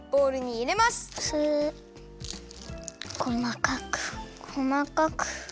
こまかくこまかく。